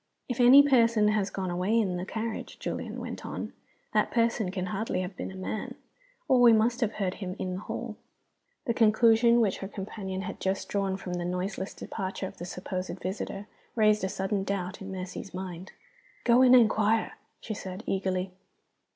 "If any person has gone away in the carriage," Julian went on, "that person can hardly have been a man, or we must have heard him in the hall." The conclusion which her companion had just drawn from the noiseless departure of the supposed visitor raised a sudden doubt in Mercy's mind. "Go and inquire!" she said, eagerly.